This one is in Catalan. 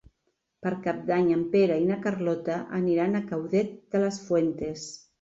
Per Cap d'Any en Pere i na Carlota aniran a Caudete de las Fuentes.